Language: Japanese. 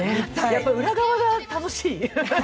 やっぱり裏側が楽しい。